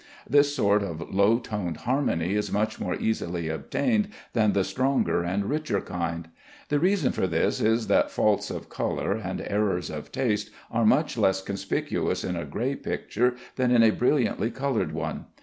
This sort of low toned harmony is much more easily obtained than the stronger and richer kind. The reason for this is that faults of color and errors of taste are much less conspicuous in a gray picture than in a brilliantly colored one.